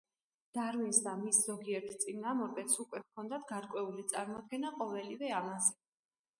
დარვინს და მის ზოგიერთ წინამორბედს უკვე ჰქონდათ გარკვეული წარმოდგენა ყოველივე ამაზე.